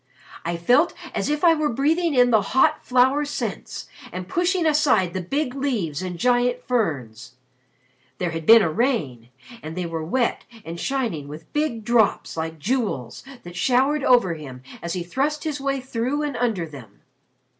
"I felt as if I were breathing in the hot flower scents and pushing aside the big leaves and giant ferns. There had been a rain, and they were wet and shining with big drops, like jewels, that showered over him as he thrust his way through and under them.